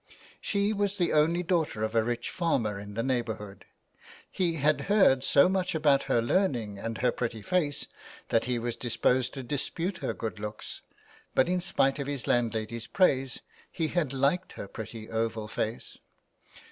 She was the only daughter of a rich farmer in the neighbourhood. He had heard so much about her learning and her pretty face that he was disposed to dispute her good looks ; but in spite of his landlady's praise he had liked her pretty oval face.